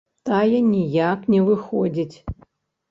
Тая ніяк не выходзіць.